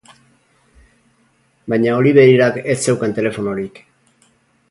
Baina Oliveirak ez zeukan telefonorik.